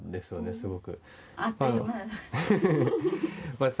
すごく。